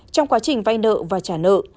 trong quá trình vai nợ và trả nợ